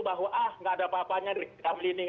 bahwa ah nggak ada apa apanya di kamelini